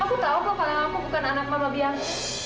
aku tahu kau kaleng aku bukan anak mama biar